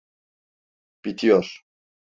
Bitiyor.